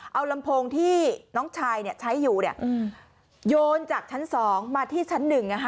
เอาลำโพงที่น้องชายใช้อยู่โยนจากชั้น๒มาที่ชั้น๑